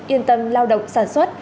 yên tâm lao động sản xuất